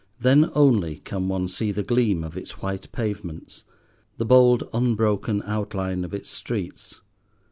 Then only can one see the gleam of its white pavements, the bold, unbroken outline of its streets.